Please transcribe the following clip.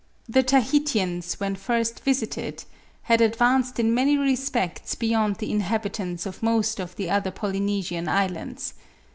The Tahitians when first visited had advanced in many respects beyond the inhabitants of most of the other Polynesian islands.